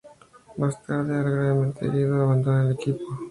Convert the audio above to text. Más tarde al estar gravemente herido, abandona el equipo.